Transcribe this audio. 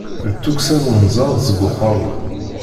D tukksa n unẓaḍ seg uqeṛṛu.